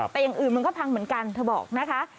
แต่อย่างอื่นมันก็พังเหมือนกันเธอบอกนะคะ